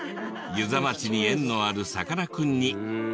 遊佐町に縁のあるさかなクンに校歌を依頼。